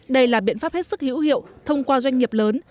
đây là biện pháp hết sức hữu hiệu thông qua doanh nghiệp lớn